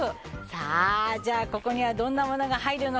さあじゃあここにはどんなものが入るのか？